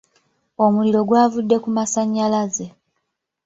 Omuliro gwavudde ku masanyalaze